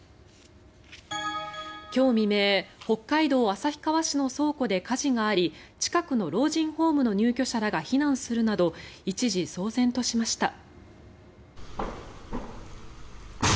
今日未明北海道旭川市の倉庫で火事があり近くの老人ホームの入居者らが避難するなど一時、騒然としました。